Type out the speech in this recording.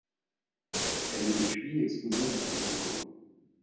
Elle est depuis exposée dans ses locaux.